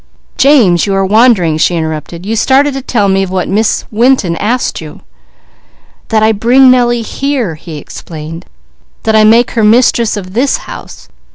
"James, you are wandering!" she interrupted. "You started to tell me what Miss Winton asked of you." "That I bring Nellie here," he explained. "That I make her mistress of this house.